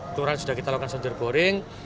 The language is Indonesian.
kelurahan sudah kita lakukan sonderboring